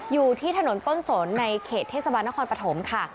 อยู่ที่ถนนต้นสนในเขตเทศบาลนครปฐมค่ะ